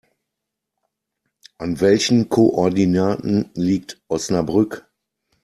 An welchen Koordinaten liegt Osnabrück?